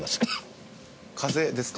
風邪ですか？